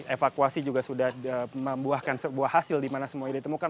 evakuasi juga sudah membuahkan sebuah hasil di mana semuanya ditemukan